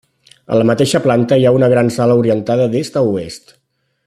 A la mateixa planta hi ha una gran sala orientada d'est a oest.